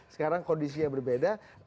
sekarang kondisinya berbeda